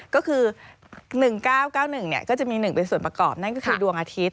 ก็คือ๑๙๙๑ก็จะมี๑เป็นส่วนประกอบนั่นก็คือดวงอาทิตย